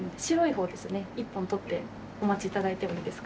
１本取ってお待ち頂いてもいいですか？